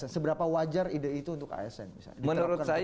seberapa wajar ide itu untuk asn